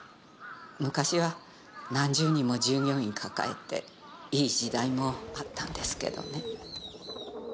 昔は何十人も従業員抱えていい時代もあったんですけどね。